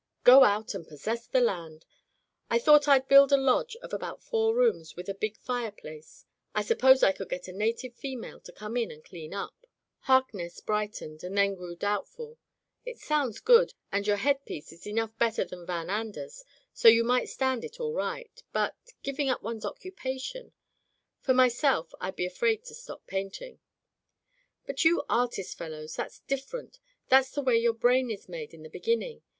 *Go out and possess the land.' I thought Fd build a lodge of about four rooms with a big fireplace. I suppose I could get a native female to come in and clean up.*' Harkness brightened, then grew doubtful. It sounds good, and your head piece is enough better than Van Ander's, so you might stand it all right, but — giving up one's occupation — ^for myself, Td be afraid to stop painting." "But you artist fellows — that's different. That's the way your brain is made in the beginning.